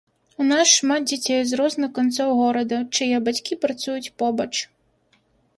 У нас шмат дзяцей з розных канцоў горада, чые бацькі працуюць побач.